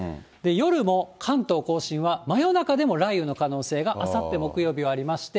夜も関東甲信は、真夜中でも雷雨の可能性があさって木曜日はありまして、